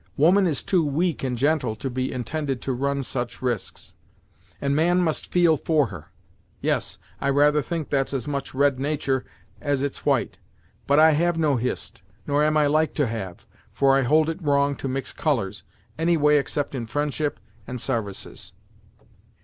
Woman is too weak and gentle to be intended to run such risks, and man must feel for her. Yes, I rather think that's as much red natur' as it's white. But I have no Hist, nor am I like to have; for I hold it wrong to mix colours, any way except in friendship and sarvices."